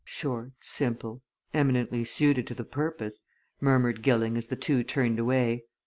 "Short, simple, eminently suited to the purpose," murmured Gilling as the two turned away.